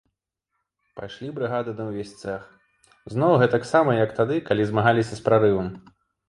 Пайшлі брыгады на ўвесь цэх, зноў гэтаксама, як тады, калі змагаліся з прарывам.